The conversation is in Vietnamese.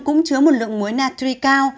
cũng chứa một lượng muối natri cao